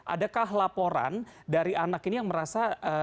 adakah laporan dari anak ini yang merasa